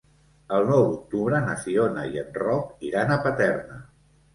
El nou d'octubre na Fiona i en Roc iran a Paterna.